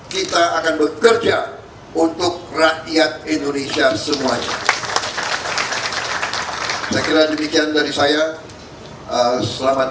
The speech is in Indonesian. kita akan bekerja untuk rakyat indonesia semuanya saya kira demikian dari saya selamat